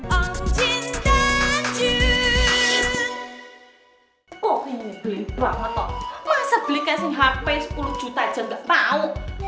oh ini beli banget masa beli casing hp sepuluh juta aja enggak tahu